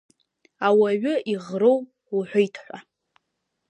Ауаҩы иӷроу уҳәеит ҳәа.